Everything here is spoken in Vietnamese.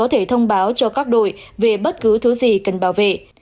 ông jin chen đã gửi thông báo cho các đội về bất cứ thứ gì cần bảo vệ